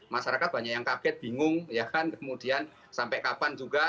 masyarakat banyak yang kaget bingung ya kan kemudian sampai kapan juga